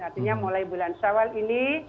artinya mulai bulan syawal ini